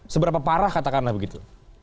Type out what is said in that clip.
seberapa parah katakanlah begitu